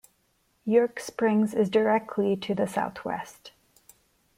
York Springs is directly to the southwest.